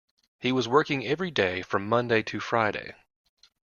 He was working every day from Monday to Friday